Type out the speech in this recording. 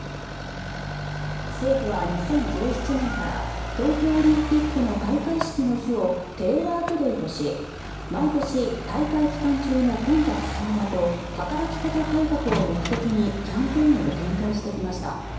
政府は２０１７年から東京オリンピックの開会式の日をテレワーク・デイとし毎年、大会期間中の混雑緩和と働き方改革を目的にキャンペーンを展開してきました。